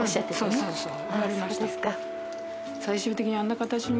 そうそうそう。